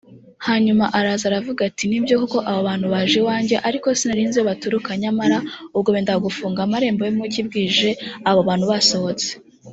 hanyuma araza, aravuga ati «ni byo koko, abo bantu baje iwanjye, ariko sinari nzi iyo baturuka. nyamara, ubwo bendaga gufunga amarembo y’umugi bwije, abo bantu basohotse.